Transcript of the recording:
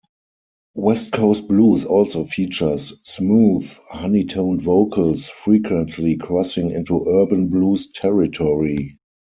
West Coast blues also features smooth, honey-toned vocals, frequently crossing into urban blues territory.